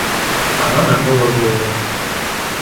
Она нагнула голову.